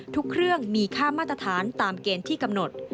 เครื่องมีค่ามาตรฐานตามเกณฑ์ที่กำหนด